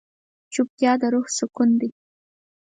چوپتیا، د روح سکون دی.